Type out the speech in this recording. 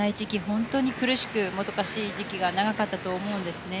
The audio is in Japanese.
本当に苦しくもどかしい時期が長かったと思うんですね。